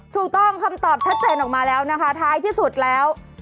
ถูกต้องคำตอบชัดเจนออกมาแล้วนะคะท้ายที่สุดแล้ว